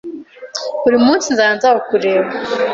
buri munsi nzajya nza kukureba